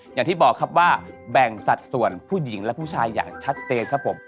อย่างที่บอกครับว่าแบ่งสัดส่วนผู้หญิงและผู้ชายอย่างชัดเจนครับผม